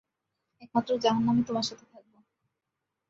একমাত্র জাহান্নামে তোমার সাথে থাকবো।